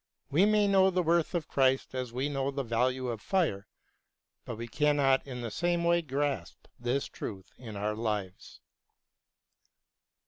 We may know the worth of Christ as we know the value of fire, but we cannot in the same way grasp this truth in our lives.